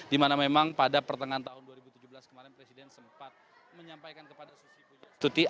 dimana memang pada pertengahan tahun dua ribu tujuh belas kemarin presiden sempat menyampaikan kepada susi puja